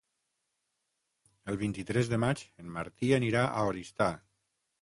El vint-i-tres de maig en Martí anirà a Oristà.